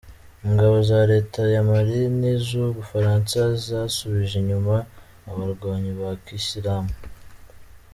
Ingabo za Leta ya Mali n’iz’u Bufaransa zasubije inyuma abarwanyi ba kiyisilamu